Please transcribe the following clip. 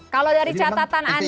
kalau dari catatan anda